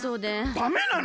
ダメなの？